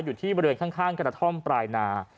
อยู่ที่บริเวณข้างกระท่อมปลายนา